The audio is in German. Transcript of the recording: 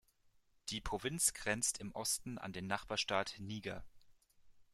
Die Provinz grenzt im Osten an den Nachbarstaat Niger.